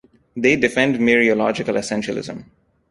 They defend mereological essentialism.